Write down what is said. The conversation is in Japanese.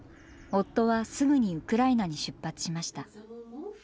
夫はすぐにウクライナに出発しました。